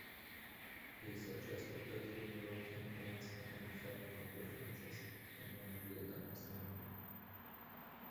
He suggested that humoral temperaments had an effect on differences in memory and understanding.